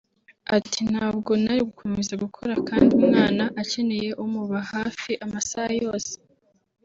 Ati “ Ntabwo nari gukomeza gukora kandi umwana akeneye umuba hafi amasaha yose